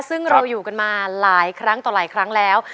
ซึ่งเราอยู่กันมาหลายครั้งต่อหลายครั้งแล้ว